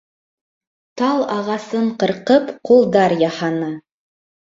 Тал ағасын ҡырҡып, ҡулдар яһаны.